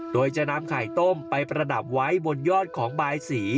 โดยจะนำไข่ต้มไปประดับไว้บนยอดของบายสี